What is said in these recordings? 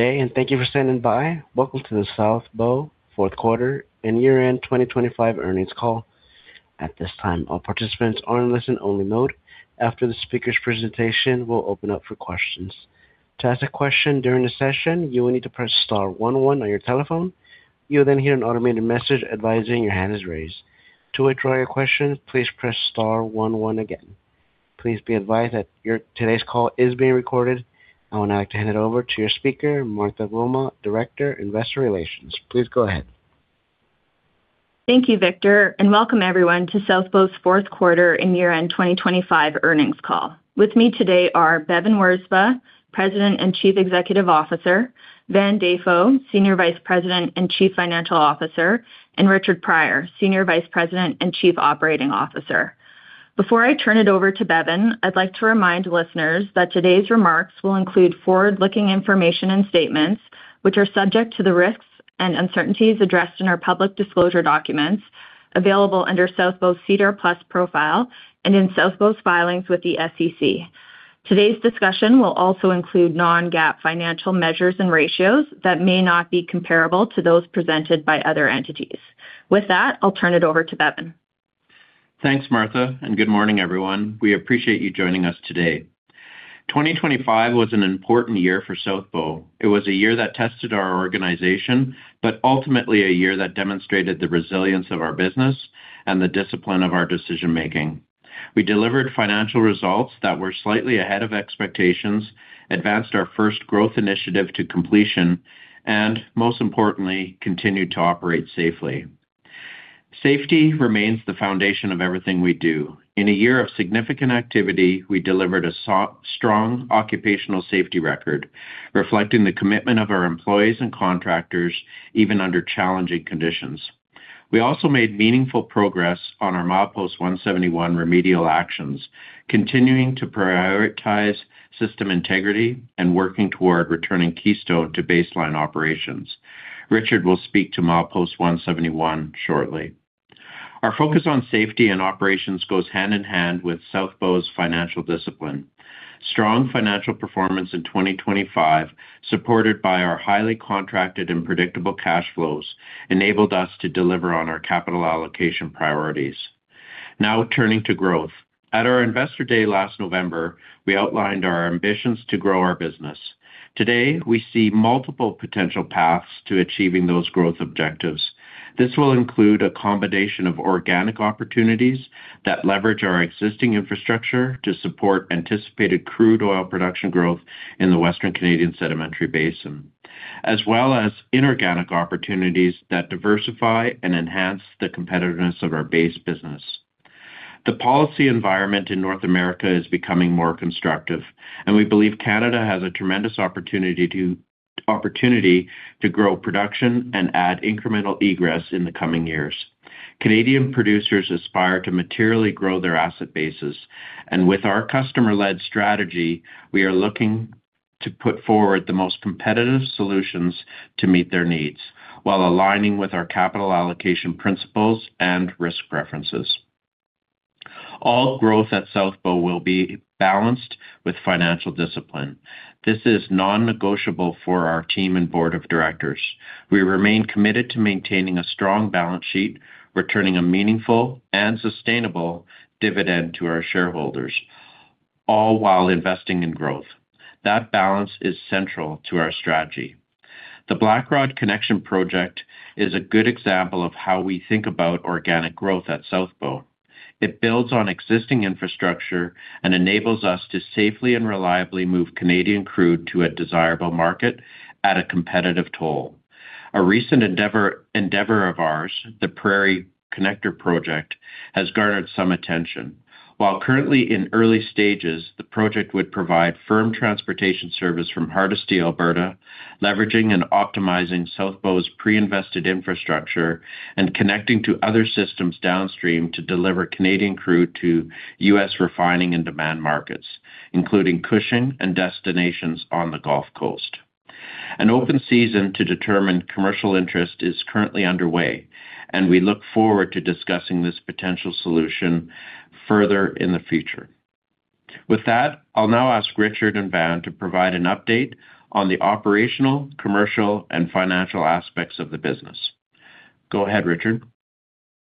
Day, thank you for standing by. Welcome to the South Bow fourth quarter and year-end 2025 earnings call. At this time, all participants are in listen-only mode. After the speaker's presentation, we'll open up for questions. To ask a question during the session, you will need to press star one one on your telephone. You'll then hear an automated message advising your hand is raised. To withdraw your question, please press star one one again. Please be advised that today's call is being recorded. I would now like to hand it over to your speaker, Martha Wilmot, Director, Investor Relations. Please go ahead. Thank you, Victor, and welcome everyone to South Bow's fourth quarter and year end 2025 earnings call. With me today are Bevin Wirzba, President and Chief Executive Officer, Van Dafoe, Senior Vice President and Chief Financial Officer, and Richard Prior, Senior Vice President and Chief Operating Officer. Before I turn it over to Bevin, I'd like to remind listeners that today's remarks will include forward-looking information and statements which are subject to the risks and uncertainties addressed in our public disclosure documents available under South Bow's SEDAR+ profile and in South Bow's filings with the SEC. Today's discussion will also include non-GAAP financial measures and ratios that may not be comparable to those presented by other entities. With that, I'll turn it over to Bevin. Thanks, Martha. Good morning, everyone. We appreciate you joining us today. 2025 was an important year for South Bow. It was a year that tested our organization, but ultimately a year that demonstrated the resilience of our business and the discipline of our decision-making. We delivered financial results that were slightly ahead of expectations, advanced our first growth initiative to completion and most importantly, continued to operate safely. Safety remains the foundation of everything we do. In a year of significant activity, we delivered a so-strong occupational safety record reflecting the commitment of our employees and contractors even under challenging conditions. We also made meaningful progress on our Milepost 171 remedial actions, continuing to prioritize system integrity and working toward returning Keystone to baseline operations. Richard will speak to Milepost 171 shortly. Our focus on safety and operations goes hand in hand with South Bow's financial discipline. Strong financial performance in 2025, supported by our highly contracted and predictable cash flows, enabled us to deliver on our capital allocation priorities. Now turning to growth. At our Investor Day last November, we outlined our ambitions to grow our business. Today, we see multiple potential paths to achieving those growth objectives. This will include a combination of organic opportunities that leverage our existing infrastructure to support anticipated crude oil production growth in the Western Canadian Sedimentary Basin, as well as inorganic opportunities that diversify and enhance the competitiveness of our base business. The policy environment in North America is becoming more constructive, and we believe Canada has a tremendous opportunity to grow production and add incremental egress in the coming years. Canadian producers aspire to materially grow their asset bases. With our customer-led strategy, we are looking to put forward the most competitive solutions to meet their needs while aligning with our capital allocation principles and risk preferences. All growth at South Bow will be balanced with financial discipline. This is non-negotiable for our team and board of directors. We remain committed to maintaining a strong balance sheet, returning a meaningful and sustainable dividend to our shareholders, all while investing in growth. That balance is central to our strategy. The Blackrod Connection Project is a good example of how we think about organic growth at South Bow. It builds on existing infrastructure and enables us to safely and reliably move Canadian crude to a desirable market at a competitive toll. A recent endeavor of ours, the Prairie Connector Project, has garnered some attention. While currently in early stages, the project would provide firm transportation service from Hardisty, Alberta, leveraging and optimizing South Bow's pre-invested infrastructure and connecting to other systems downstream to deliver Canadian crude to U.S. refining and demand markets, including Cushing and destinations on the Gulf Coast. An open season to determine commercial interest is currently underway, and we look forward to discussing this potential solution further in the future. With that, I'll now ask Richard and Van to provide an update on the operational, commercial, and financial aspects of the business. Go ahead, Richard.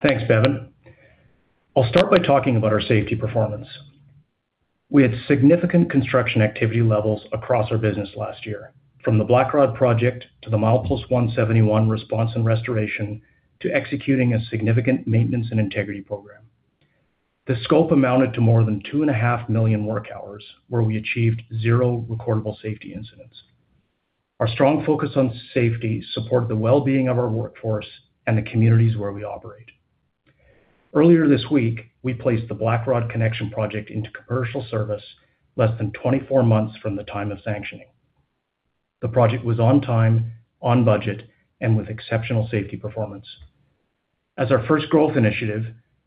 Thanks, Bevin. I'll start by talking about our safety performance. We had significant construction activity levels across our business last year, from the Blackrod Project to the Milepost 171 response and restoration to executing a significant maintenance and integrity program. The scope amounted to more than 2.5 million work hours where we achieved zero recordable safety incidents. Our strong focus on safety support the well-being of our workforce and the communities where we operate. Earlier this week, we placed the Blackrod Connection Project into commercial service less than 24 months from the time of sanctioning. The project was on time, on budget, and with exceptional safety performance. As our first growth initiative,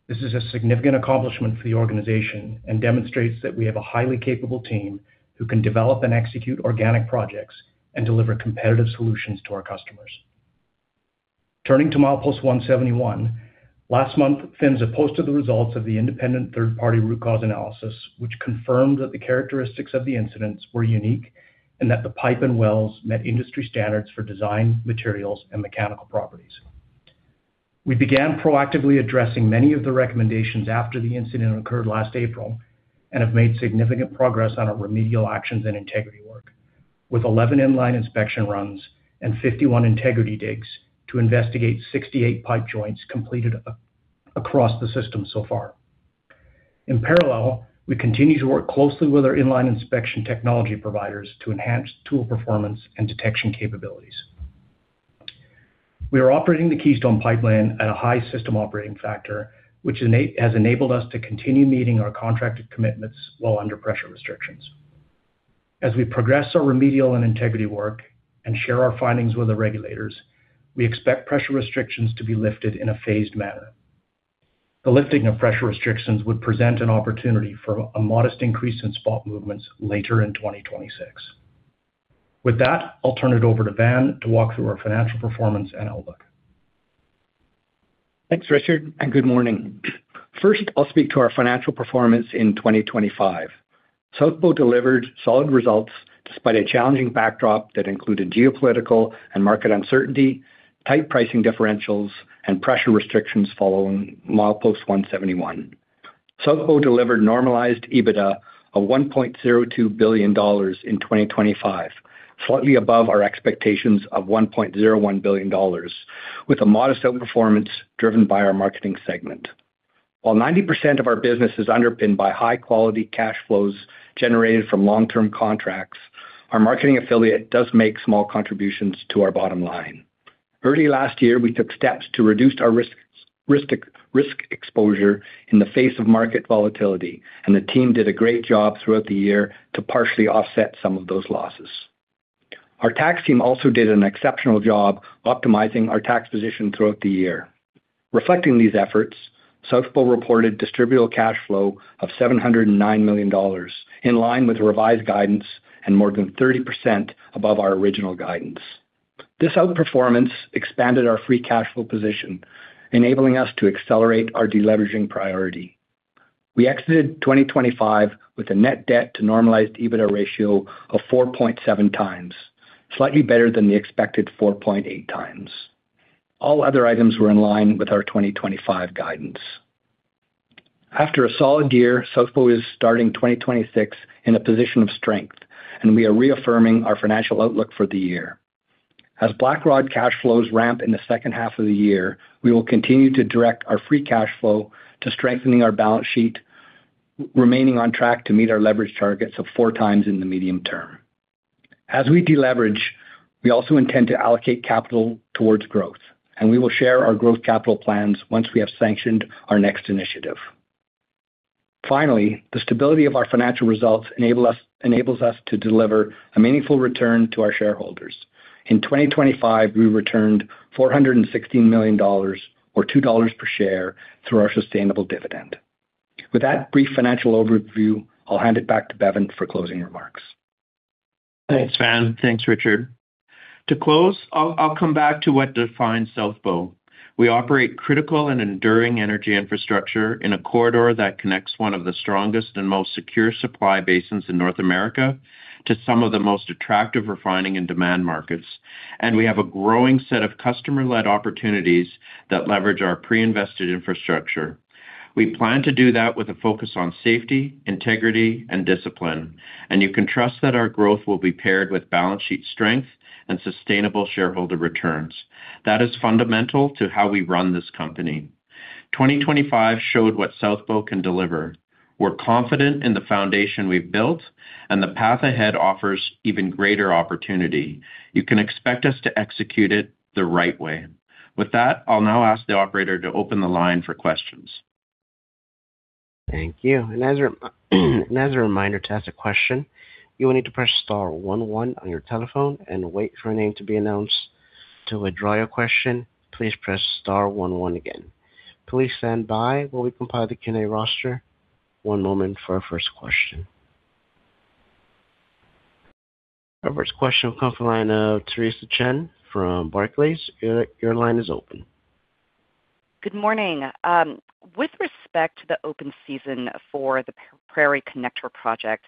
this is a significant accomplishment for the organization and demonstrates that we have a highly capable team who can develop and execute organic projects and deliver competitive solutions to our customers. Milepost 171. Last month, PHMSA posted the results of the independent third-party root cause analysis, which confirmed that the characteristics of the incidents were unique and that the pipe and wells met industry standards for design, materials, and mechanical properties. We began proactively addressing many of the recommendations after the incident occurred last April and have made significant progress on our remedial actions and integrity work with 11 in-line inspection runs and 51 integrity digs to investigate 68 pipe joints completed across the system so far. We continue to work closely with our in-line inspection technology providers to enhance tool performance and detection capabilities. We are operating the Keystone Pipeline at a high system operating factor, which has enabled us to continue meeting our contracted commitments while under pressure restrictions. As we progress our remedial and integrity work and share our findings with the regulators, we expect pressure restrictions to be lifted in a phased manner. The lifting of pressure restrictions would present an opportunity for a modest increase in spot movements later in 2026. With that, I'll turn it over to Van to walk through our financial performance and outlook. Thanks, Richard. Good morning. First, I'll speak to our financial performance in 2025. South Bow delivered solid results despite a challenging backdrop that included geopolitical and market uncertainty, tight pricing differentials, and pressure restrictions following Milepost 171. South Bow delivered normalized EBITDA of $1.02 billion in 2025, slightly above our expectations of $1.01 billion, with a modest outperformance driven by our marketing segment. While 90% of our business is underpinned by high-quality cash flows generated from long-term contracts, our marketing affiliate does make small contributions to our bottom line. Early last year, we took steps to reduce our risk exposure in the face of market volatility. The team did a great job throughout the year to partially offset some of those losses. Our tax team also did an exceptional job optimizing our tax position throughout the year. Reflecting these efforts, South Bow reported Distributable Cash Flow of $709 million, in line with revised guidance and more than 30% above our original guidance. This outperformance expanded our free cash flow position, enabling us to accelerate our deleveraging priority. We exited 2025 with a net debt to normalized EBITDA ratio of 4.7x, slightly better than the expected 4.8x. All other items were in line with our 2025 guidance. After a solid year, South Bow is starting 2026 in a position of strength, and we are reaffirming our financial outlook for the year. As Blackrod cash flows ramp in the second half of the year, we will continue to direct our free cash flow to strengthening our balance sheet, remaining on track to meet our leverage targets of 4x in the medium term. As we deleverage, we also intend to allocate capital towards growth. We will share our growth capital plans once we have sanctioned our next initiative. Finally, the stability of our financial results enables us to deliver a meaningful return to our shareholders. In 2025, we returned $416 million or $2 per share through our sustainable dividend. With that brief financial overview, I'll hand it back to Bevin for closing remarks. Thanks, Van. Thanks, Richard. To close, I'll come back to what defines South Bow. We operate critical and enduring energy infrastructure in a corridor that connects one of the strongest and most secure supply basins in North America to some of the most attractive refining and demand markets. We have a growing set of customer-led opportunities that leverage our pre-invested infrastructure. We plan to do that with a focus on safety, integrity, and discipline. You can trust that our growth will be paired with balance sheet strength and sustainable shareholder returns. That is fundamental to how we run this company. 2025 showed what South Bow can deliver. We're confident in the foundation we've built, and the path ahead offers even greater opportunity. You can expect us to execute it the right way. With that, I'll now ask the operator to open the line for questions. Thank you. As a reminder, to ask a question, you will need to press star one one on your telephone and wait for a name to be announced. To withdraw your question, please press star one one again. Please stand by while we compile the Q&A roster. One moment for our first question. Our first question will come from the line of Theresa Chen from Barclays. Your line is open. Good morning. With respect to the open season for the Prairie Connector Project,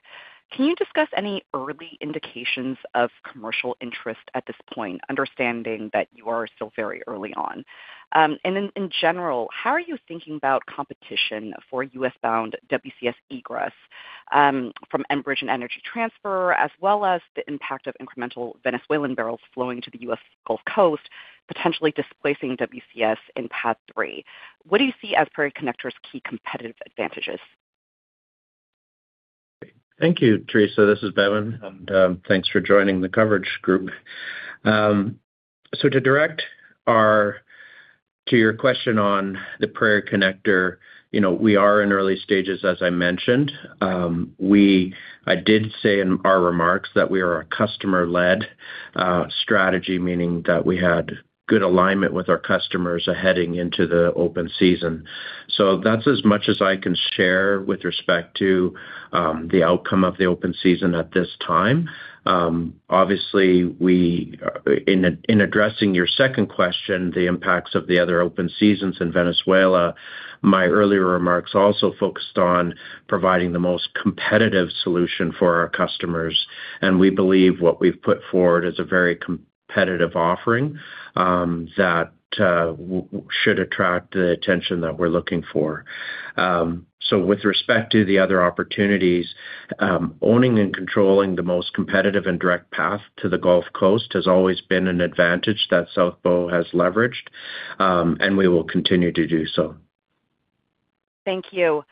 can you discuss any early indications of commercial interest at this point, understanding that you are still very early on? In general, how are you thinking about competition for U.S.-bound WCS egress from Enbridge and Energy Transfer, as well as the impact of incremental Venezuelan barrels flowing to the U.S. Gulf Coast, potentially displacing WCS in Path 3? What do you see as Prairie Connector's key competitive advantages? Thank you, Theresa. This is Bevin. Thanks for joining the coverage group. To your question on the Prairie Connector, you know, we are in early stages, as I mentioned. I did say in our remarks that we are a customer-led strategy, meaning that we had good alignment with our customers heading into the open season. That's as much as I can share with respect to the outcome of the open season at this time. Obviously, in addressing your second question, the impacts of the other open seasons in Venezuela, my earlier remarks also focused on providing the most competitive solution for our customers, and we believe what we've put forward is a very competitive offering that should attract the attention that we're looking for. With respect to the other opportunities, owning and controlling the most competitive and direct path to the Gulf Coast has always been an advantage that South Bow has leveraged, and we will continue to do so. Thank you.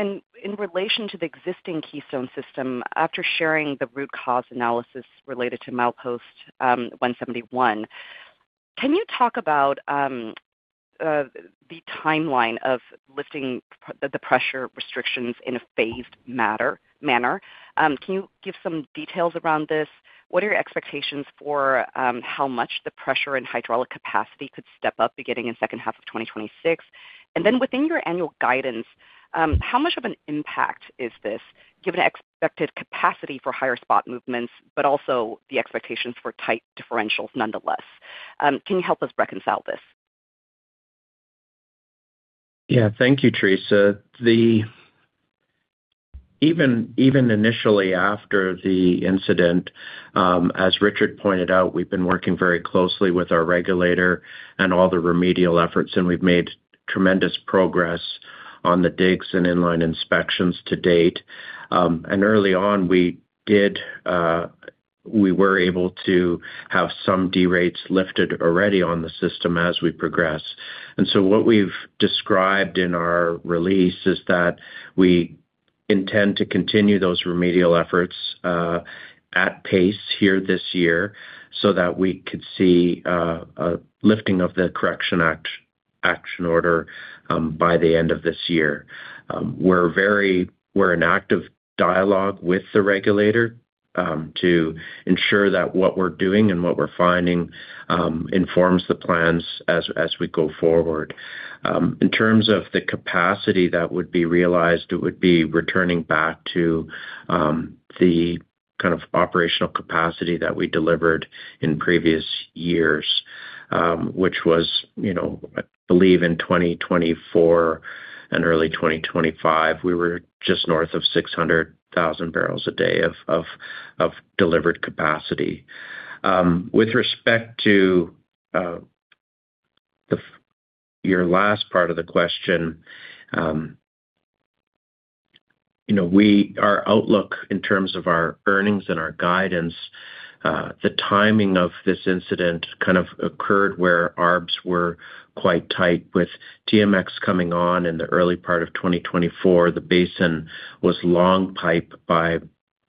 In relation to the existing Keystone system, after sharing the root cause analysis related to Milepost, 171, can you talk about the timeline of lifting the pressure restrictions in a phased manner? Can you give some details around this? What are your expectations for how much the pressure and hydraulic capacity could step up beginning in second half of 2026? Within your annual guidance, how much of an impact is this given expected capacity for higher spot movements, but also the expectations for tight differentials nonetheless? Can you help us reconcile this? Thank you, Theresa. Even initially after the incident, as Richard pointed out, we've been working very closely with our regulator and all the remedial efforts, and we've made tremendous progress on the digs and inline inspections to date. Early on, we were able to have some derates lifted already on the system as we progress. What we've described in our release is that we intend to continue those remedial efforts at pace here this year so that we could see a lifting of the Corrective Action Order by the end of this year. We're in active dialogue with the regulator to ensure that what we're doing and what we're finding informs the plans as we go forward. In terms of the capacity that would be realized, it would be returning back to the kind of operational capacity that we delivered in previous years, which was, you know, I believe in 2024 and early 2025, we were just north of 600,000 barrels a day of delivered capacity. With respect to your last part of the question, you know, Our outlook in terms of our earnings and our guidance, the timing of this incident kind of occurred where arbs were quite tight. TMX coming on in the early part of 2024, the basin was long pipe by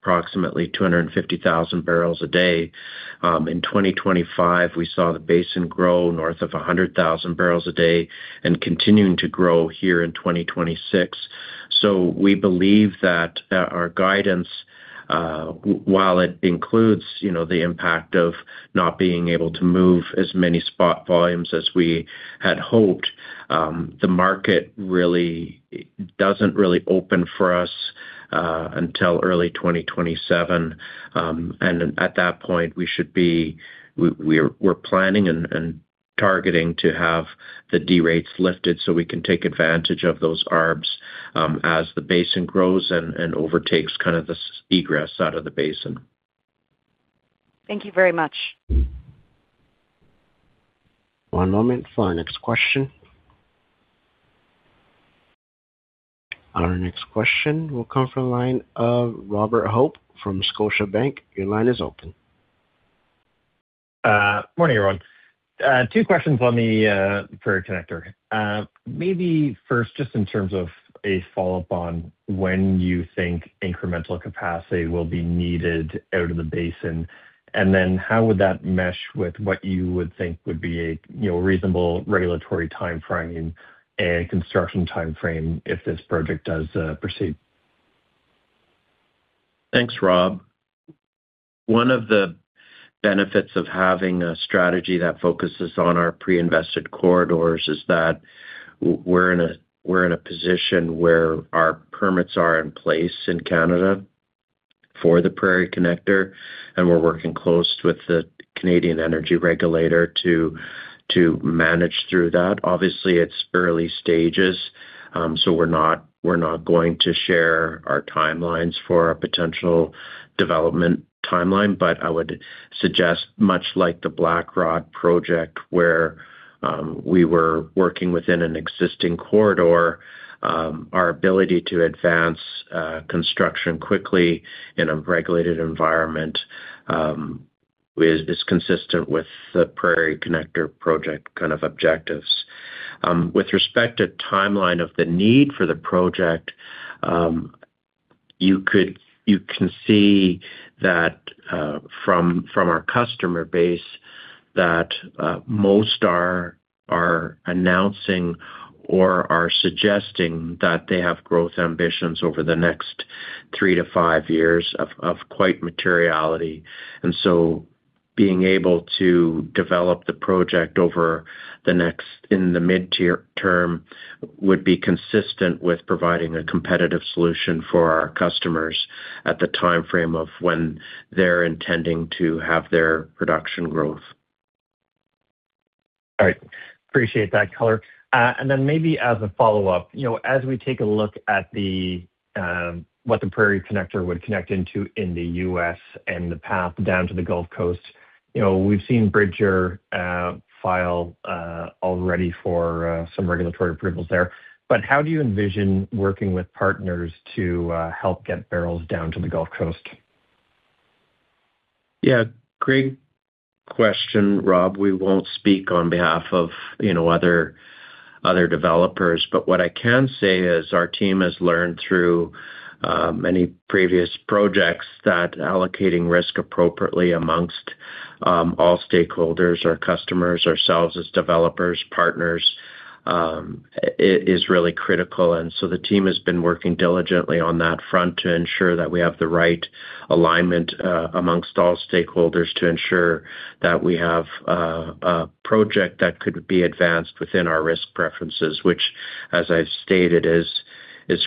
approximately 250,000 barrels a day. In 2025, we saw the basin grow north of 100,000 barrels a day and continuing to grow here in 2026. We believe that our guidance while it includes, you know, the impact of not being able to move as many spot volumes as we had hoped, the market really doesn't open for us until early 2027. At that point, we're planning and targeting to have the derates lifted so we can take advantage of those arbs as the basin grows and overtakes kind of this egress out of the basin. Thank you very much. One moment for our next question. Our next question will come from the line of Robert Hope from Scotiabank. Your line is open. Morning, everyone. Maybe first, just in terms of a follow-up on when you think incremental capacity will be needed out of the basin, and then how would that mesh with what you would think would be a, you know, reasonable regulatory timeframe and construction timeframe if this project does proceed? Thanks, Rob. One of the benefits of having a strategy that focuses on our pre-invested corridors is that we're in a position where our permits are in place in Canada for the Prairie Connector, and we're working close with the Canadian Energy Regulator to manage through that. Obviously, it's early stages, we're not going to share our timelines for a potential development timeline. I would suggest, much like the Blackrod Project where we were working within an existing corridor, our ability to advance construction quickly in a regulated environment is consistent with the Prairie Connector Project kind of objectives. With respect to timeline of the need for the project, You can see that from our customer base that most are announcing or are suggesting that they have growth ambitions over the next 3-5 years of quite materiality. Being able to develop the project over the next in the mid-tier term would be consistent with providing a competitive solution for our customers at the time frame of when they're intending to have their production growth. All right. Appreciate that color. Then maybe as a follow-up, you know, as we take a look at the, what the Prairie Connector would connect into in the U.S. and the path down to the Gulf Coast, you know, we've seen Bridger file already for some regulatory approvals there. How do you envision working with partners to help get barrels down to the Gulf Coast? Yeah, great question, Rob. We won't speak on behalf of, you know, other developers, but what I can say is our team has learned through many previous projects that allocating risk appropriately amongst all stakeholders or customers ourselves as developers, partners, is really critical. The team has been working diligently on that front to ensure that we have the right alignment amongst all stakeholders to ensure that we have a project that could be advanced within our risk preferences, which as I've stated is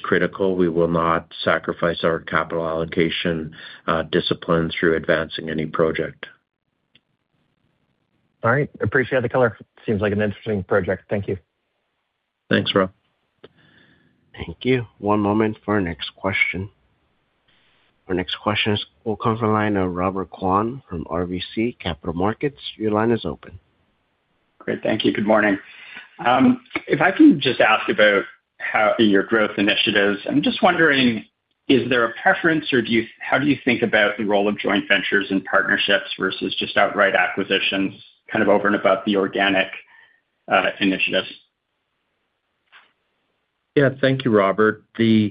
critical. We will not sacrifice our capital allocation discipline through advancing any project. All right. Appreciate the color. Seems like an interesting project. Thank you. Thanks, Rob. Thank you. One moment for our next question. Our next question will come from line of Robert Kwan from RBC Capital Markets. Your line is open. Great. Thank you. Good morning. If I can just ask about how your growth initiatives, I'm just wondering, is there a preference or how do you think about the role of joint ventures and partnerships versus just outright acquisitions kind of over and above the organic initiatives? Thank you, Robert. You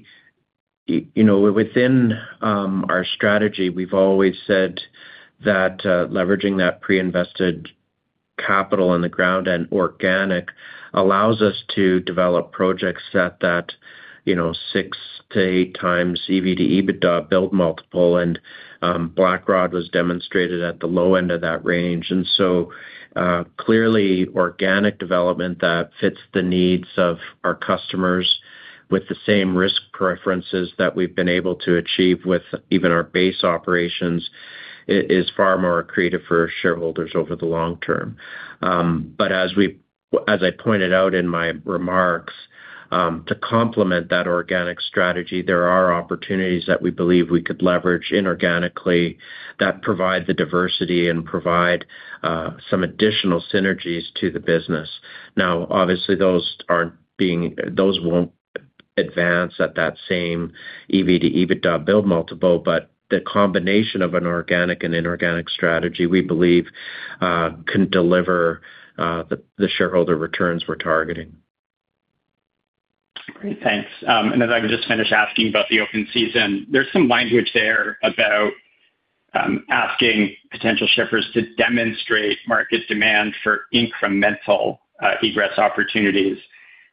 know, within our strategy, we've always said that leveraging that pre-invested capital on the ground and organic allows us to develop projects at that, you know, 6x to 8x EV to EBITDA build multiple and Blackrod was demonstrated at the low end of that range. Clearly organic development that fits the needs of our customers with the same risk preferences that we've been able to achieve with even our base operations is far more accretive for shareholders over the long term. As I pointed out in my remarks, to complement that organic strategy, there are opportunities that we believe we could leverage inorganically that provide the diversity and provide some additional synergies to the business. Obviously, those won't advance at that same EV to EBITDA build multiple, but the combination of an organic and inorganic strategy, we believe, can deliver the shareholder returns we're targeting. Great. Thanks. I would just finish asking about the open season. There's some language there about asking potential shippers to demonstrate market demand for incremental egress opportunities.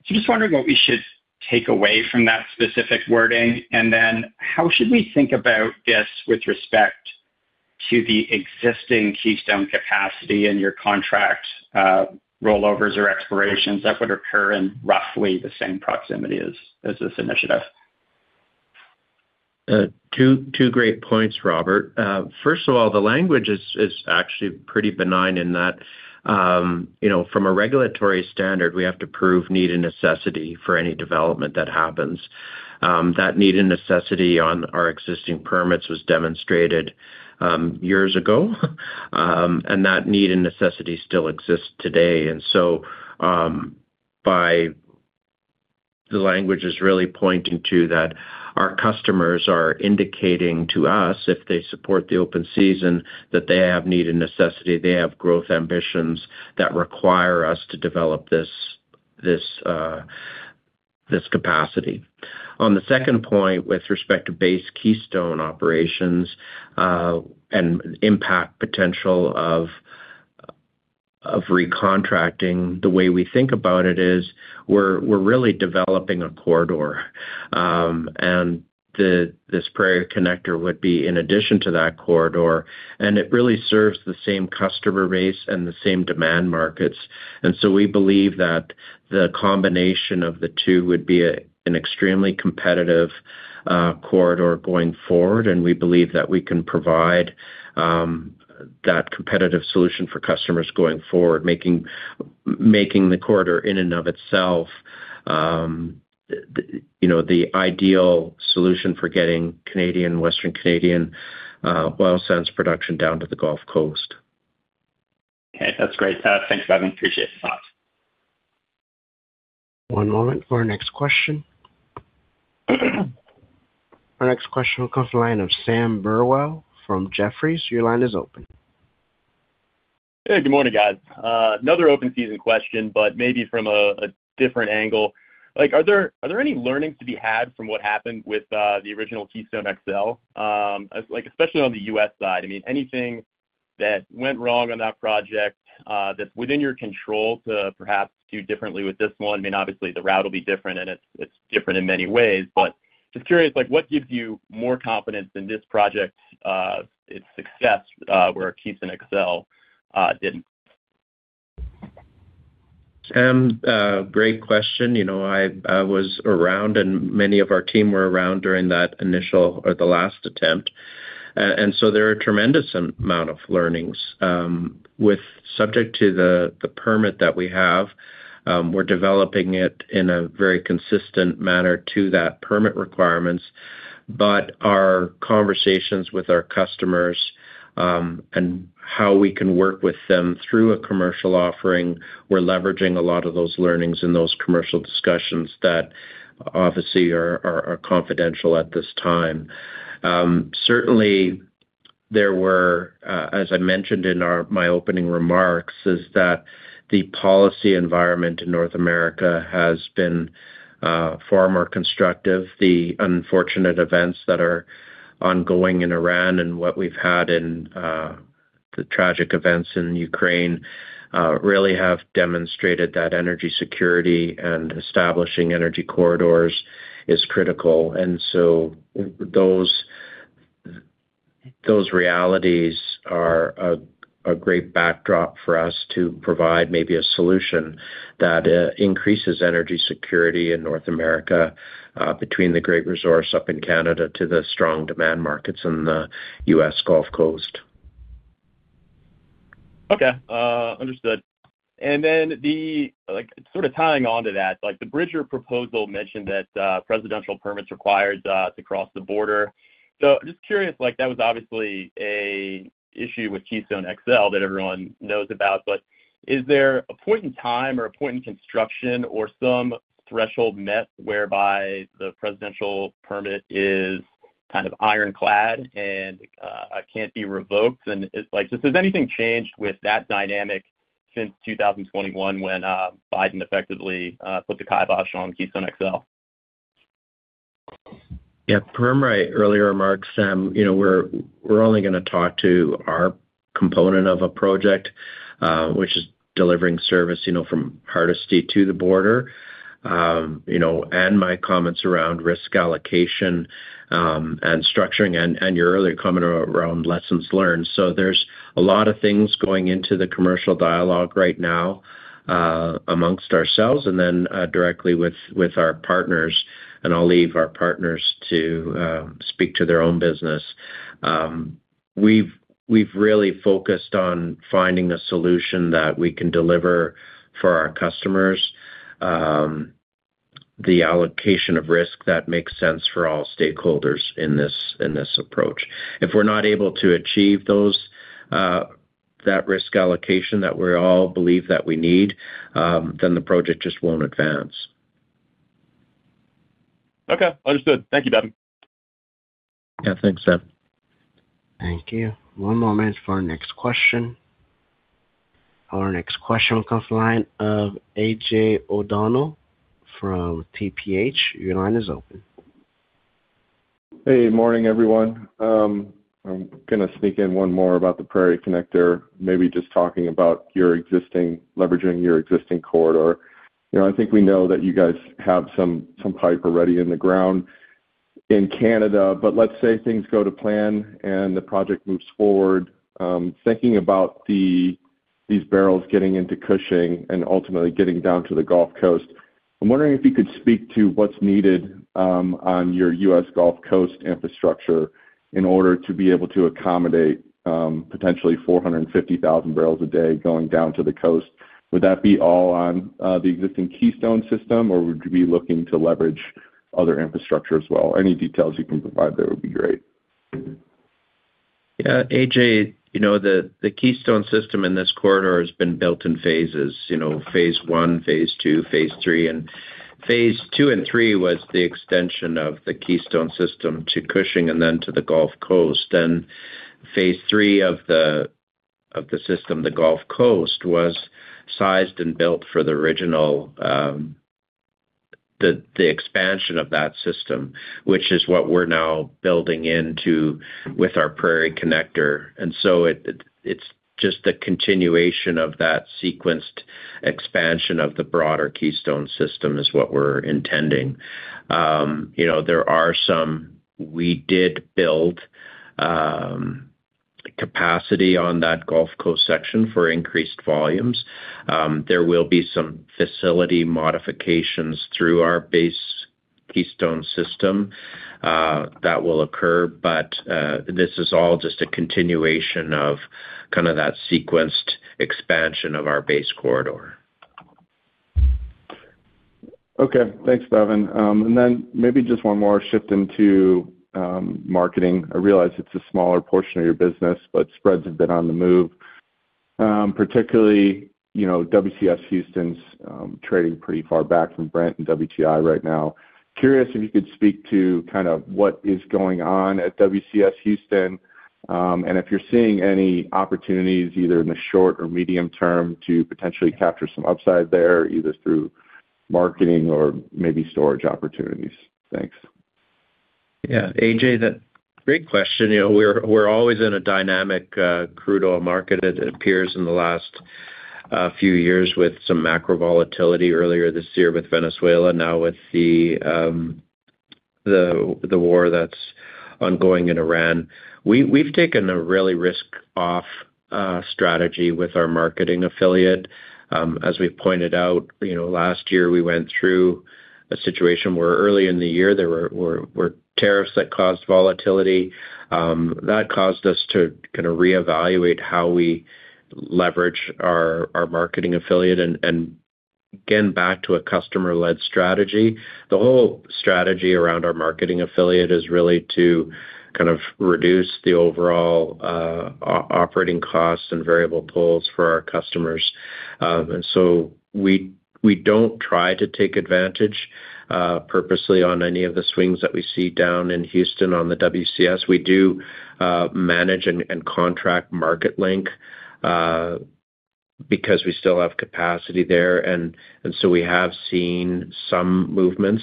Just wondering what we should take away from that specific wording, how should we think about this with respect to the existing Keystone capacity in your contract rollovers or expirations that would occur in roughly the same proximity as this initiative? Two great points, Robert. First of all, the language is actually pretty benign in that, you know, from a regulatory standard, we have to prove need and necessity for any development that happens. That need and necessity on our existing permits was demonstrated years ago. That need and necessity still exists today. By the language is really pointing to that our customers are indicating to us if they support the open season, that they have need and necessity, they have growth ambitions that require us to develop this capacity. On the second point, with respect to base Keystone operations, and impact potential of recontracting, the way we think about it is we're really developing a corridor, and this Prairie Connector would be in addition to that corridor, and it really serves the same customer base and the same demand markets. We believe that the combination of the two would be an extremely competitive corridor going forward, and we believe that we can provide that competitive solution for customers going forward, making the corridor in and of itself, you know, the ideal solution for getting Canadian, Western Canadian oil sands production down to the Gulf Coast. Okay. That's great. Thanks for having me. Appreciate the spot. One moment for our next question. Our next question will come from the line of Sam Burwell from Jefferies. Your line is open. Hey, good morning, guys. Another open season question, but maybe from a different angle. Like, are there any learnings to be had from what happened with the original Keystone XL? Like, especially on the U.S. side, I mean, anything? That went wrong on that project, that's within your control to perhaps do differently with this one. I mean, obviously, the route will be different and it's different in many ways. Just curious, like, what gives you more confidence in this project, its success, where Keystone XL didn't? Great question. You know, I was around and many of our team were around during that initial or the last attempt. There are a tremendous amount of learnings. With subject to the permit that we have, we're developing it in a very consistent manner to that permit requirements. Our conversations with our customers, and how we can work with them through a commercial offering, we're leveraging a lot of those learnings in those commercial discussions that obviously are confidential at this time. Certainly there were, as I mentioned in my opening remarks, is that the policy environment in North America has been far more constructive. The unfortunate events that are ongoing in Iran and what we've had in the tragic events in Ukraine really have demonstrated that energy security and establishing energy corridors is critical. Those, those realities are a great backdrop for us to provide maybe a solution that increases energy security in North America between the great resource up in Canada to the strong demand markets in the U.S. Gulf Coast. Okay, understood. Then the... Like, sort of tying on to that, like, the Bridger proposal mentioned that presidential permits required to cross the border. Just curious, like that was obviously an issue with Keystone XL that everyone knows about. Is there a point in time or a point in construction or some threshold met whereby the presidential permit is kind of ironclad and can't be revoked? It's like, has anything changed with that dynamic since 2021 when Biden effectively put the kibosh on Keystone XL? Yeah. Per my earlier remarks, you know, we're only gonna talk to our component of a project, which is delivering service, you know, from Hardisty to the border. You know, and my comments around risk allocation, and structuring and your earlier comment around lessons learned. There's a lot of things going into the commercial dialogue right now, amongst ourselves and then, directly with our partners. I'll leave our partners to speak to their own business. We've, we've really focused on finding a solution that we can deliver for our customers, the allocation of risk that makes sense for all stakeholders in this, in this approach. If we're not able to achieve those, that risk allocation that we all believe that we need, the project just won't advance. Okay. Understood. Thank you, Bevin. Yeah. Thanks, Sam. Thank you. One moment for our next question. Our next question comes from the line of A.J. O'Donnell from TPH. Your line is open. Hey. Morning, everyone. I'm gonna sneak in one more about the Prairie Connector, maybe just talking about your existing leveraging your existing corridor. You know, I think we know that you guys have some pipe already in the ground in Canada. Let's say things go to plan and the project moves forward. Thinking about these barrels getting into Cushing and ultimately getting down to the Gulf Coast, I'm wondering if you could speak to what's needed on your U.S. Gulf Coast infrastructure in order to be able to accommodate potentially 450,000 barrels a day going down to the coast. Would that be all on the existing Keystone system, or would you be looking to leverage other infrastructure as well? Any details you can provide there would be great. Yeah. A.J., you know, the Keystone system in this corridor has been built in phases. You know, phase I, phase II, phase III. Phase II and three was the extension of the Keystone system to Cushing and then to the Gulf Coast. Phase III of the system, the Gulf Coast, was sized and built for the original, the expansion of that system, which is what we're now building into with our Prairie Connector. So it's just a continuation of that sequenced expansion of the broader Keystone system is what we're intending. You know, there are some. We did build capacity on that Gulf Coast section for increased volumes. There will be some facility modifications through our base Keystone system that will occur, but this is all just a continuation of kind of that sequenced expansion of our base corridor. Okay. Thanks, Bevin. Maybe just one more shift into marketing. I realize it's a smaller portion of your business, but spreads have been on the move. Particularly, you know, WCS Houston's trading pretty far back from Brent and WTI right now. Curious if you could speak to kind of what is going on at WCS Houston, and if you're seeing any opportunities either in the short or medium term to potentially capture some upside there, either through marketing or maybe storage opportunities? Thanks. Yeah, A.J., that great question. You know, we're always in a dynamic crude oil market. It appears in the last few years with some macro volatility earlier this year with Venezuela, now with the war that's ongoing in Iran. We've taken a really risk off strategy with our marketing affiliate. We pointed out, you know, last year we went through a situation where early in the year there were tariffs that caused volatility. That caused us to kind of reevaluate how we leverage our marketing affiliate and again, back to a customer-led strategy. The whole strategy around our marketing affiliate is really to kind of reduce the overall operating costs and variable pulls for our customers. We, we don't try to take advantage purposely on any of the swings that we see down in Houston on the WCS. We do manage and contract Marketlink because we still have capacity there. We have seen some movements,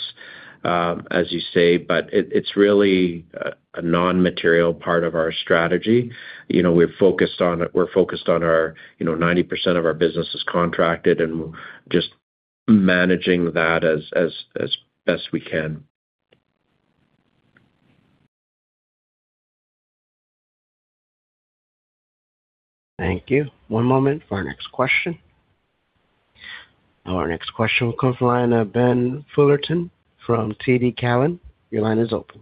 as you say, but it's really a non-material part of our strategy. You know, we're focused on our, you know, 90% of our business is contracted, and just managing that as best we can. Thank you. One moment for our next question. Our next question will come from the line of Ben Fullerton from TD Cowen. Your line is open.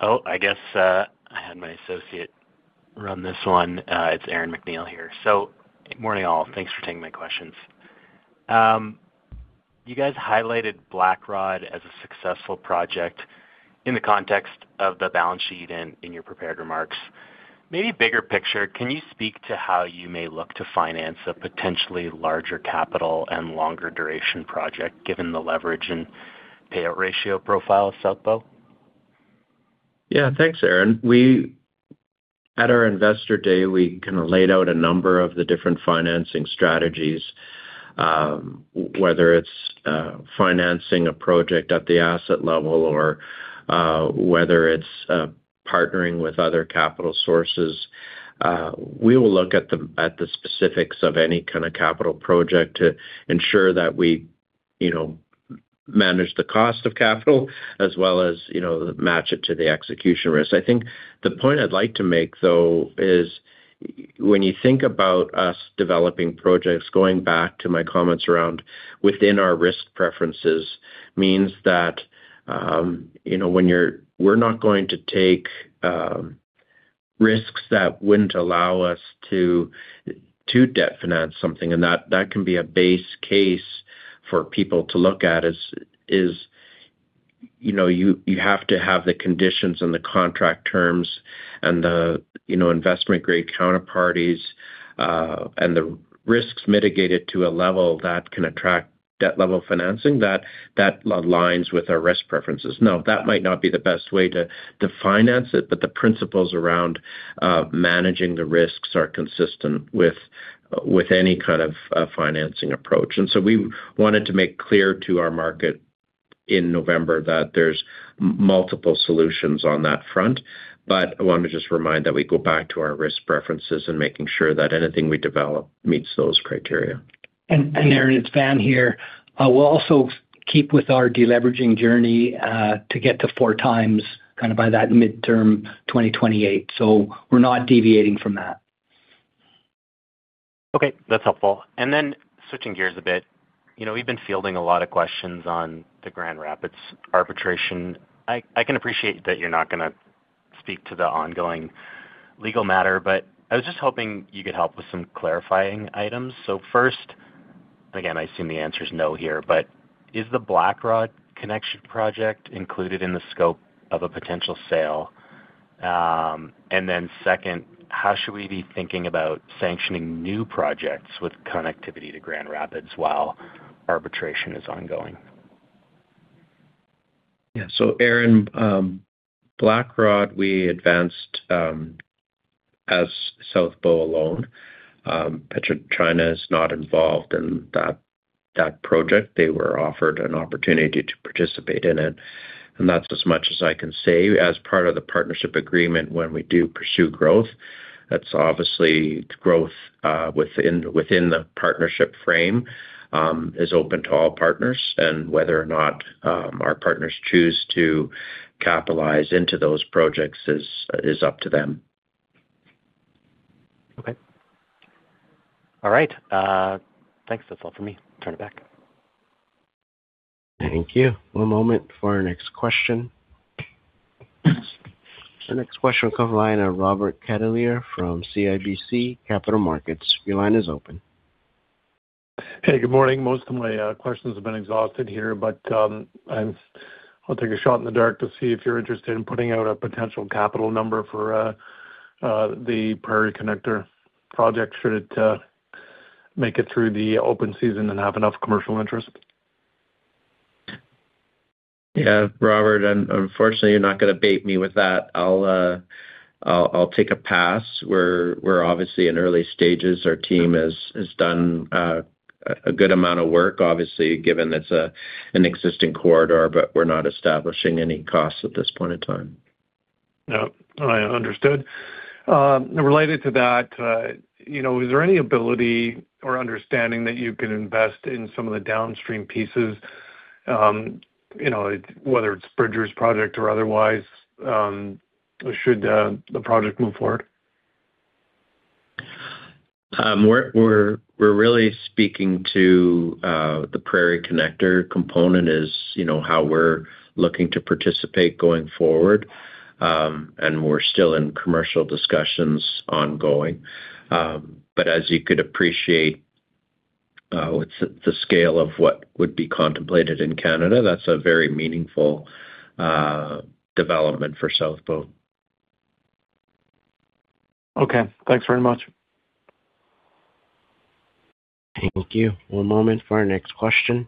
I guess, I had my associate run this one. It's Aaron MacNeil here. Good morning, all. Thanks for taking my questions. You guys highlighted Blackrod as a successful project in the context of the balance sheet in your prepared remarks. Maybe bigger picture, can you speak to how you may look to finance a potentially larger capital and longer duration project given the leverage and payout ratio profile of South Bow? Thanks, Aaron. At our Investor Day, we kinda laid out a number of the different financing strategies, whether it's financing a project at the asset level or whether it's partnering with other capital sources. We will look at the specifics of any kinda capital project to ensure that we, you know, manage the cost of capital as well as, you know, match it to the execution risk. I think the point I'd like to make though is when you think about us developing projects, going back to my comments around within our risk preferences means that, you know, when we're not going to take risks that wouldn't allow us to debt finance something. That, that can be a base case for people to look at is, you know, you have to have the conditions and the contract terms and the, you know, investment grade counterparties, and the risks mitigated to a level that can attract debt level financing that aligns with our risk preferences. That might not be the best way to finance it, but the principles around managing the risks are consistent with any kind of financing approach. We wanted to make clear to our market in November that there's multiple solutions on that front. I wanna just remind that we go back to our risk preferences and making sure that anything we develop meets those criteria. Aaron, it's Van here. We'll also keep with our deleveraging journey to get to 4x kind of by that midterm 2028. We're not deviating from that. Okay, that's helpful. Then switching gears a bit, you know, we've been fielding a lot of questions on the Grand Rapids arbitration. I can appreciate that you're not gonna speak to the ongoing legal matter, but I was just hoping you could help with some clarifying items. First, again, I assume the answer is no here, but is the Blackrod Connection Project included in the scope of a potential sale? Then second, how should we be thinking about sanctioning new projects with connectivity to Grand Rapids while arbitration is ongoing? Yeah. Aaron, Blackrod, we advanced as South Bow alone. PetroChina is not involved in that project. They were offered an opportunity to participate in it, and that's as much as I can say. As part of the partnership agreement, when we do pursue growth, that's obviously growth within the partnership frame is open to all partners. Whether or not our partners choose to capitalize into those projects is up to them. Okay. All right. Thanks. That's all for me. Turn it back. Thank you. One moment for our next question. The next question will come from the line of Robert Catellier from CIBC Capital Markets. Your line is open. Hey, good morning. Most of my questions have been exhausted here, but I'll take a shot in the dark to see if you're interested in putting out a potential capital number for the Prairie Connector Project should it make it through the open season and have enough commercial interest. Yeah, Robert, unfortunately, you're not gonna bait me with that. I'll take a pass. We're obviously in early stages. Our team has done a good amount of work, obviously, given it's an existing corridor, but we're not establishing any costs at this point in time. Yeah. I understood. Related to that, you know, is there any ability or understanding that you can invest in some of the downstream pieces, you know, whether it's Bridger's project or otherwise, should the project move forward? We're really speaking to the Prairie Connector component is, you know, how we're looking to participate going forward. We're still in commercial discussions ongoing. As you could appreciate, with the scale of what would be contemplated in Canada, that's a very meaningful development for South Bow. Okay. Thanks very much. Thank you. One moment for our next question.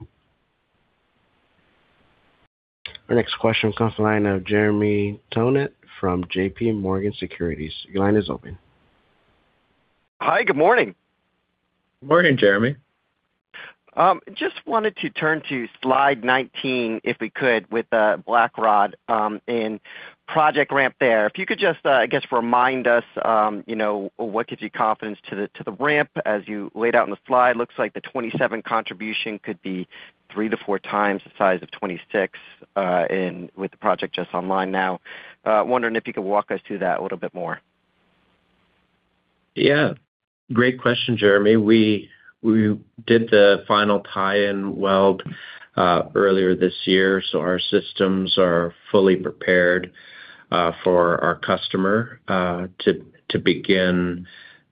Our next question comes from the line of Jeremy Tonet from J.P. Morgan Securities. Your line is open. Hi. Good morning. Morning, Jeremy. Just wanted to turn to slide 19, if we could, with Blackrod in project ramp there. If you could just, I guess, remind us, you know, what gives you confidence to the ramp as you laid out in the slide. Looks like the 2027 contribution could be three to 4x the size of 2026, in with the project just online now. Wondering if you could walk us through that a little bit more. Yeah. Great question, Jeremy. We did the final tie-in weld earlier this year, so our systems are fully prepared for our customer to begin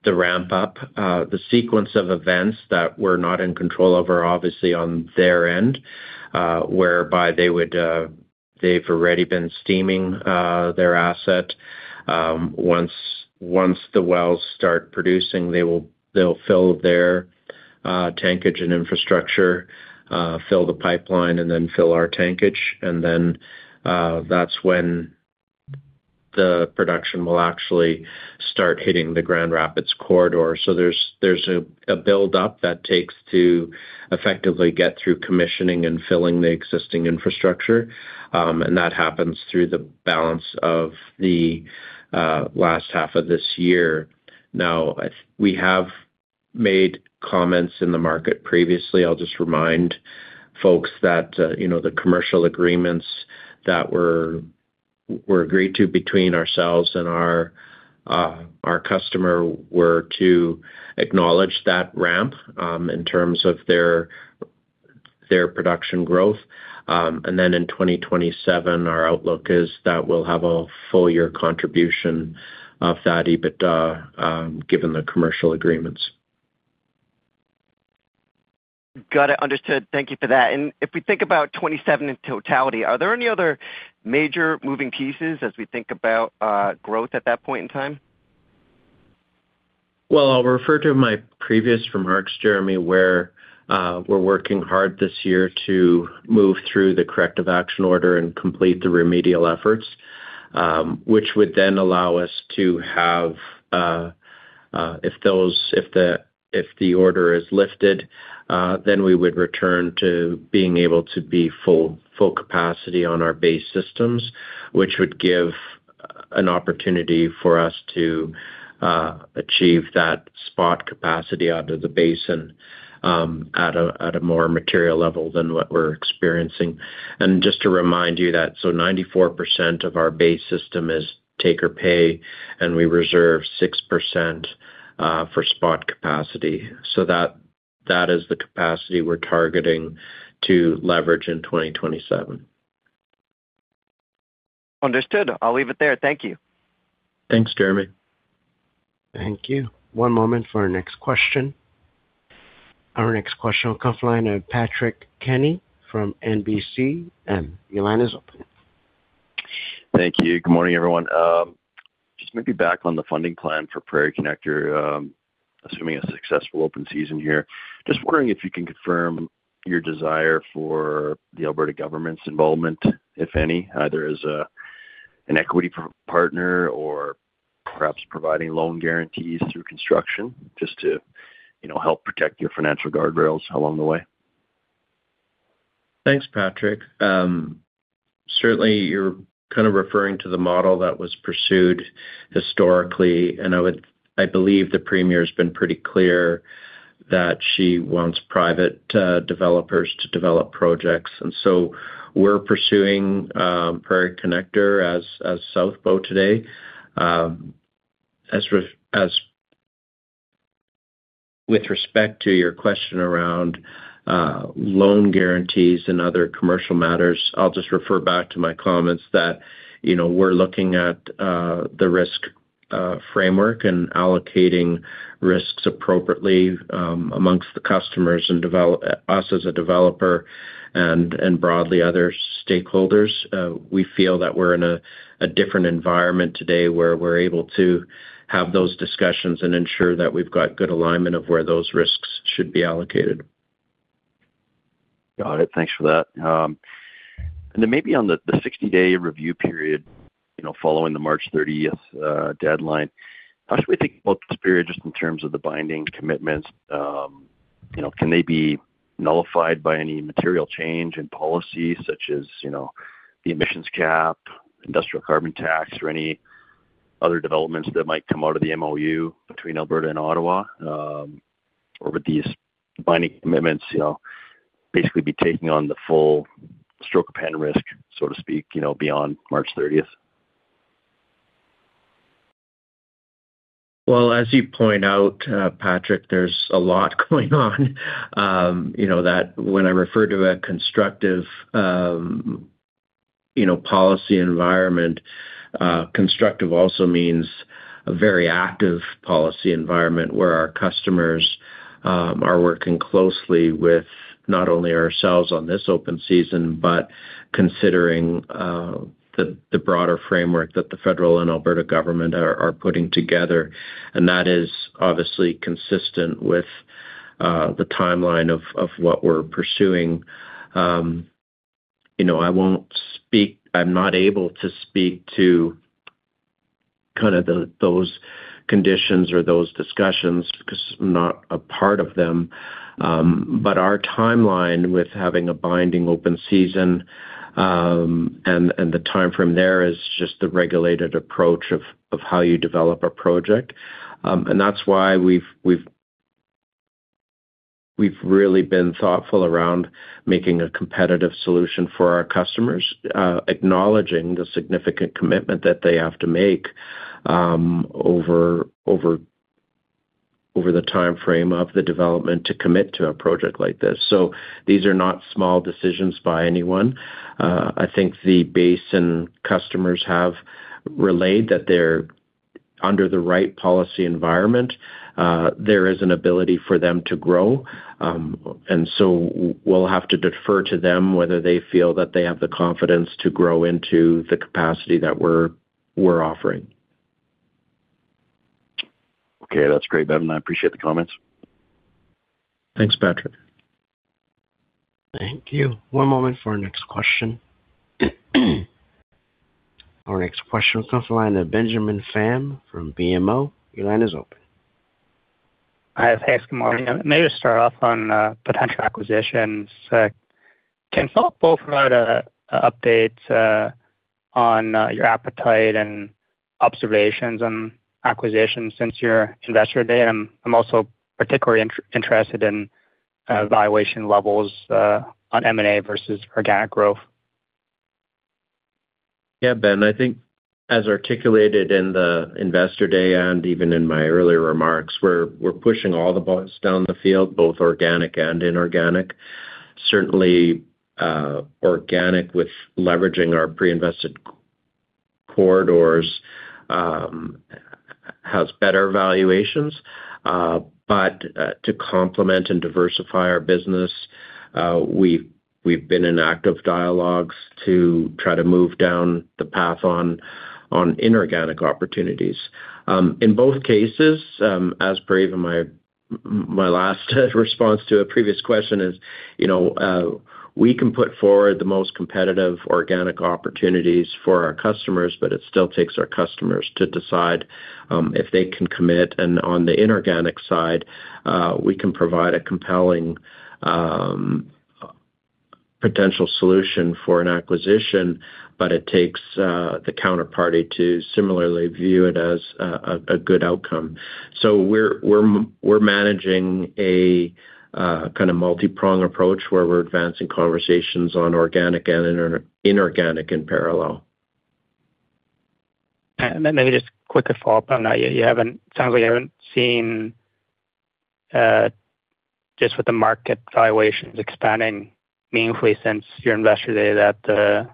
the ramp up. The sequence of events that we're not in control over obviously on their end, whereby they would, they've already been steaming their asset. Once the wells start producing, they'll fill their tankage and infrastructure, fill the pipeline and then fill our tankage. That's when the production will actually start hitting the Grand Rapids corridor. There's a build-up that takes to effectively get through commissioning and filling the existing infrastructure. That happens through the balance of the last half of this year. We have made comments in the market previously. I'll just remind folks that, you know, the commercial agreements that were agreed to between ourselves and our customer were to acknowledge that ramp in terms of their production growth. Then in 2027, our outlook is that we'll have a full year contribution of that EBITDA given the commercial agreements. Got it. Understood. Thank you for that. If we think about 2027 in totality, are there any other major moving pieces as we think about growth at that point in time? Well, I'll refer to my previous remarks, Jeremy, where we're working hard this year to move through the Corrective Action Order and complete the remedial efforts, which would then allow us to have, if the order is lifted, then we would return to being able to be full capacity on our base systems, which would give an opportunity for us to achieve that spot capacity out of the basin at a more material level than what we're experiencing. Just to remind you that 94% of our base system is take-or-pay, and we reserve 6% for spot capacity. That is the capacity we're targeting to leverage in 2027. Understood. I'll leave it there. Thank you. Thanks, Jeremy. Thank you. One moment for our next question. Our next question will come from the line of Patrick Kenny from NBC. Your line is open. Thank you. Good morning, everyone. Just maybe back on the funding plan for Prairie Connector, assuming a successful open season here. Just wondering if you can confirm your desire for the Alberta government's involvement, if any. Either as an equity partner or perhaps providing loan guarantees through construction just to, you know, help protect your financial guardrails along the way. Thanks, Patrick. Certainly you're kind of referring to the model that was pursued historically, I believe the Premier's been pretty clear that she wants private developers to develop projects. We're pursuing Prairie Connector as South Bow today. As with respect to your question around loan guarantees and other commercial matters, I'll just refer back to my comments that, you know, we're looking at the risk framework and allocating risks appropriately amongst the customers and us as a developer and broadly other stakeholders. We feel that we're in a different environment today where we're able to have those discussions and ensure that we've got good alignment of where those risks should be allocated. Got it. Thanks for that. Maybe on the 60-day review period, you know, following the March 30th deadline, how should we think about this period just in terms of the binding commitments? You know, can they be nullified by any material change in policy such as, you know, the Emissions Cap, industrial carbon tax or any other developments that might come out of the MOU between Alberta and Ottawa? Or would these binding commitments, you know, basically be taking on the full stroke pen risk, so to speak, you know, beyond March 30th? Well, as you point out, Patrick, there's a lot going on. You know that when I refer to a constructive, you know, policy environment, constructive also means a very active policy environment where our customers are working closely with not only ourselves on this open season, but considering the broader framework that the Federal and Alberta government are putting together. That is obviously consistent with the timeline of what we're pursuing. You know, I'm not able to speak to kind of those conditions or those discussions because I'm not a part of them. Our timeline with having a binding open season, and the timeframe there is just the regulated approach of how you develop a project. That's why we've really been thoughtful around making a competitive solution for our customers, acknowledging the significant commitment that they have to make, over the timeframe of the development to commit to a project like this. These are not small decisions by anyone. I think the basin customers have relayed that they're under the right policy environment. There is an ability for them to grow. We'll have to defer to them whether they feel that they have the confidence to grow into the capacity that we're offering. Okay. That's great, Bevin. I appreciate the comments. Thanks, Patrick. Thank you. One moment for our next question. Our next question comes the line of Benjamin Pham from BMO. Your line is open. Hi. Thanks. Good morning. May I just start off on potential acquisitions. Can you talk both about a update on your appetite and observations on acquisitions since your Investor Day? I'm also particularly interested in valuation levels on M&A versus organic growth. Yeah, Ben, I think as articulated in the Investor Day and even in my earlier remarks, we're pushing all the buttons down the field, both organic and inorganic. Certainly, organic with leveraging our pre-invested corridors, has better valuations. To complement and diversify our business, we've been in active dialogues to try to move down the path on inorganic opportunities. In both cases, as per even my last response to a previous question is, you know, we can put forward the most competitive organic opportunities for our customers, but it still takes our customers to decide, if they can commit. On the inorganic side, we can provide a compelling, potential solution for an acquisition, but it takes the counterparty to similarly view it as a good outcome. We're managing a kind of multi-prong approach where we're advancing conversations on organic and inorganic in parallel. Maybe just quick follow-up on that. You haven't sounds like you haven't seen just with the market valuations expanding meaningfully since your investor day that the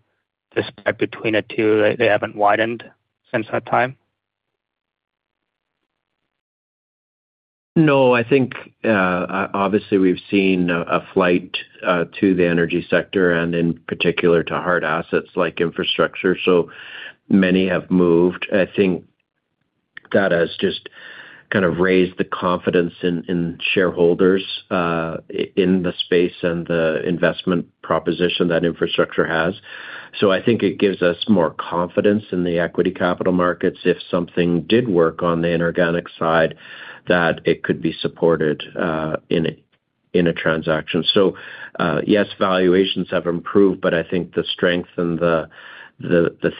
spread between the two, they haven't widened since that time? No, I think obviously we've seen a flight to the energy sector and in particular to hard assets like infrastructure. Many have moved. I think that has just kind of raised the confidence in shareholders in the space and the investment proposition that infrastructure has. I think it gives us more confidence in the equity capital markets if something did work on the inorganic side that it could be supported in a transaction. Yes, valuations have improved, but I think the strength and the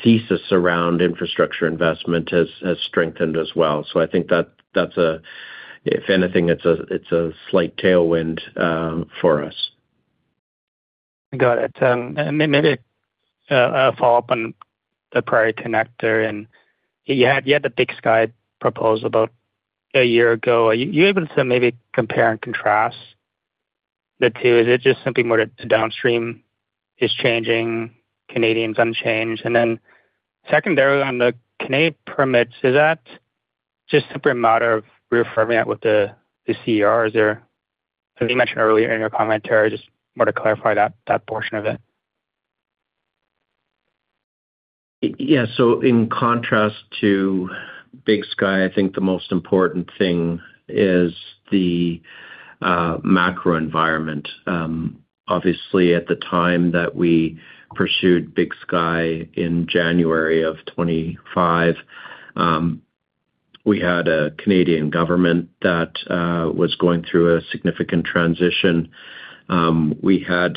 thesis around infrastructure investment has strengthened as well. I think that's a if anything, it's a slight tailwind for us. Got it. Follow up on the Prairie Connector. You had the Big Sky proposal about a year ago. Are you able to maybe compare and contrast the two? Is it just simply more to downstream is changing, Canadian unchanged? Secondarily on the Canadian permits, is that just simply a matter of reaffirming that with the CER? You mentioned earlier in your commentary just more to clarify that portion of it. Yeah. In contrast to Big Sky, I think the most important thing is the macroenvironment. Obviously, at the time that we pursued Big Sky in January of 2025, we had a Canadian government that was going through a significant transition. We had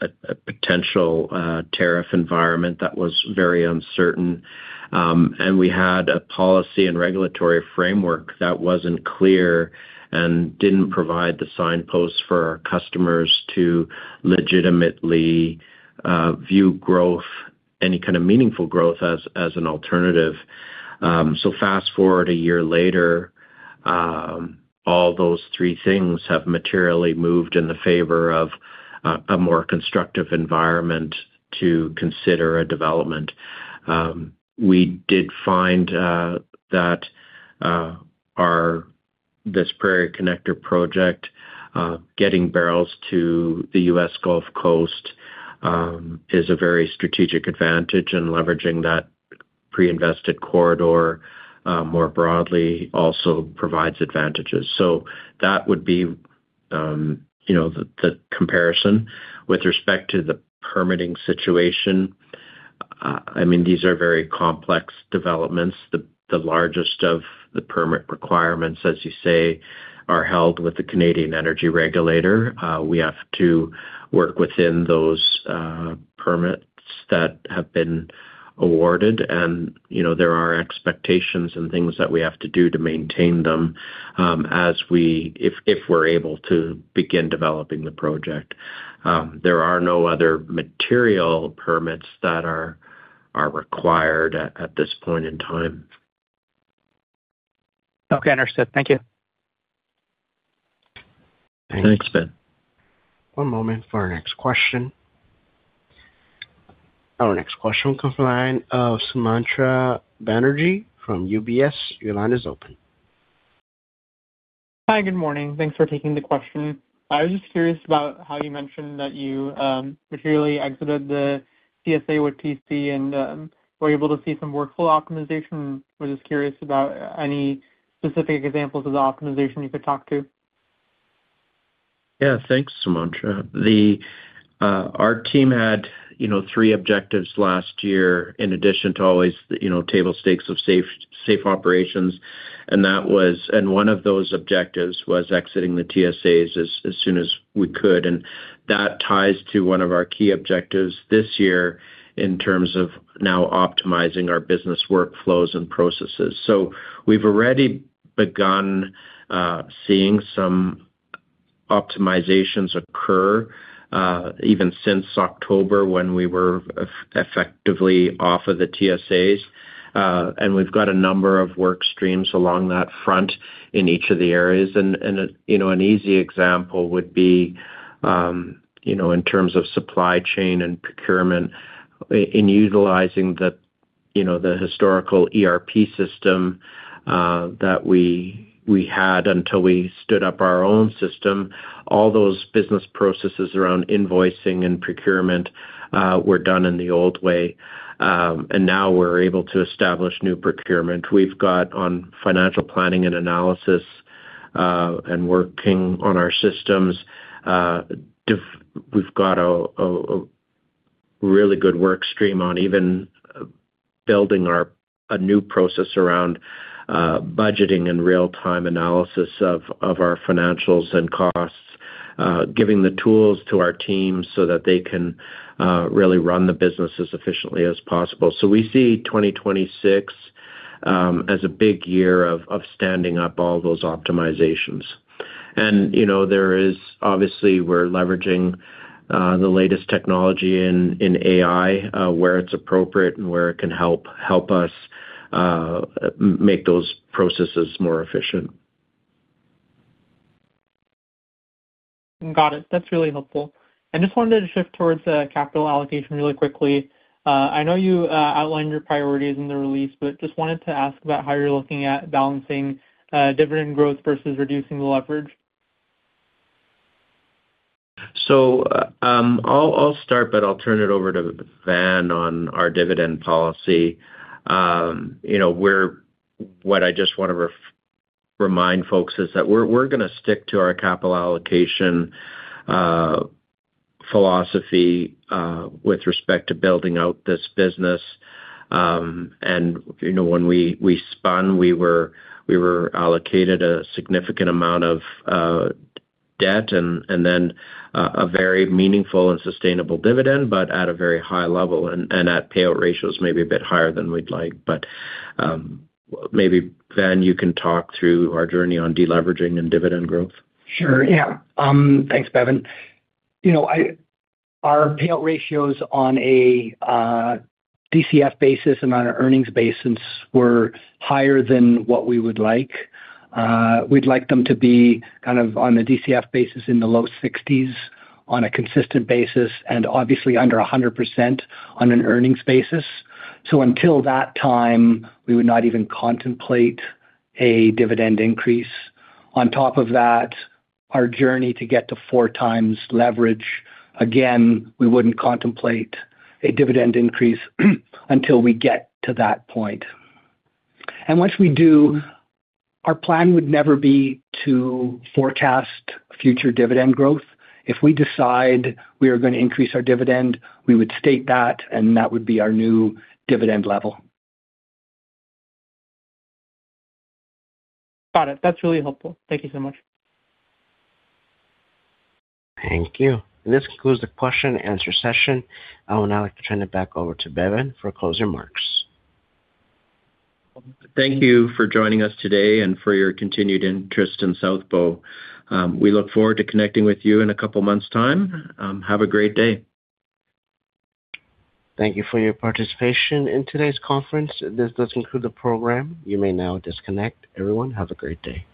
a potential tariff environment that was very uncertain. We had a policy and regulatory framework that wasn't clear and didn't provide the signposts for our customers to legitimately view growth, any kind of meaningful growth as an alternative. Fast-forward a year later, all those three things have materially moved in the favor of a more constructive environment to consider a development. We did find that our... this Prairie Connector Project, getting barrels to the U.S. Gulf Coast, is a very strategic advantage. Leveraging that pre-invested corridor, more broadly also provides advantages. That would be, you know, the comparison. With respect to the permitting situation, I mean, these are very complex developments. The largest of the permit requirements, as you say, are held with the Canada Energy Regulator. We have to work within those permits that have been awarded and, you know, there are expectations and things that we have to do to maintain them, if we're able to begin developing the Project. There are no other material permits that are required at this point in time. Okay. Understood. Thank you. Thanks. Thanks, Ben. One moment for our next question. Our next question comes from the line of Sumantra Banerjee from UBS. Your line is open. Hi. Good morning. Thanks for taking the question. I was just curious about how you mentioned that you materially exited the TSA with PC and were able to see some workflow optimization. Was just curious about any specific examples of the optimization you could talk to? Thanks, Sumantra. The, our team had, you know, three objectives last year in addition to always, you know, table stakes of safe operations. One of those objectives was exiting the TSAs as soon as we could. That ties to one of our key objectives this year in terms of now optimizing our business workflows and processes. We've already begun seeing some optimizations occur even since October when we were effectively off of the TSAs. We've got a number of work streams along that front in each of the areas. An easy example would be, you know, in terms of supply chain and procurement in utilizing the, you know, the historical ERP system that we had until we stood up our own system. All those business processes around invoicing and procurement were done in the old way. Now we're able to establish new procurement. We've got on financial planning and analysis and working on our systems. We've got a really good work stream on even building a new process around budgeting and real-time analysis of our financials and costs. Giving the tools to our teams so that they can really run the business as efficiently as possible. We see 2026 as a big year of standing up all those optimizations. You know, obviously, we're leveraging the latest technology in AI where it's appropriate and where it can help us make those processes more efficient. Got it. That's really helpful. I just wanted to shift towards the capital allocation really quickly. I know you outlined your priorities in the release, but just wanted to ask about how you're looking at balancing dividend growth versus reducing the leverage. I'll start, but I'll turn it over to Van on our dividend policy. You know, what I just wanna remind folks is that we're gonna stick to our capital allocation philosophy with respect to building out this business. You know, when we spun, we were allocated a significant amount of debt and then a very meaningful and sustainable dividend, but at a very high level and at payout ratios maybe a bit higher than we'd like. Maybe, Van, you can talk through our journey on deleveraging and dividend growth. Sure, yeah. Thanks, Bevin. You know, our payout ratios on a DCF basis and on an earnings basis were higher than what we would like. We'd like them to be kind of on a DCF basis in the low 60s on a consistent basis and obviously under 100% on an earnings basis. Until that time, we would not even contemplate a dividend increase. On top of that, our journey to get to 4x leverage, again, we wouldn't contemplate a dividend increase until we get to that point. Once we do, our plan would never be to forecast future dividend growth. If we decide we are gonna increase our dividend, we would state that, and that would be our new dividend level. Got it. That's really helpful. Thank you so much. Thank you. This concludes the question-and-answer session. I will now like to turn it back over to Bevin for closing remarks. Thank you for joining us today and for your continued interest in South Bow. We look forward to connecting with you in a couple months' time. Have a great day. Thank you for your participation in today's conference. This does conclude the program. You may now disconnect. Everyone, have a great day.